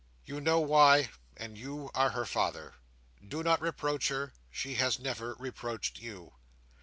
You know why, and you are her father. "'Do not reproach her. She has never reproached you.